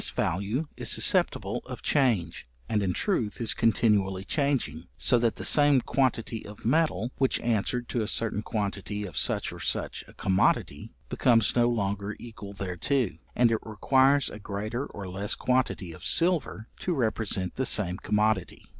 This value is susceptible of change, and in truth is continually changing; so that the same quantity of metal which answered to a certain quantity of such or such a commodity, becomes no longer equal thereto, and it requires a greater or less quantity of silver to represent the same commodity.